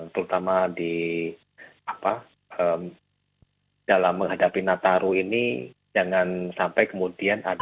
terutama di apa dalam menghadapi nataru ini jangan sampai kemudian ada